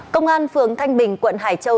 công an phường thanh bình quận hải châu